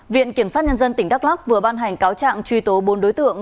viện kiểm sát nhân dân tỉnh đắk lắc vừa ban hành cáo trạng truy tố bốn đối tượng